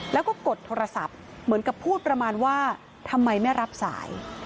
แล้วก็กดโทรศัพท์เหมือนกับพูดประมาณว่าทำไมไม่รับสาย